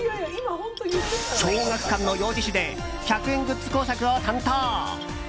小学館の幼児誌で１００円グッズ工作を担当。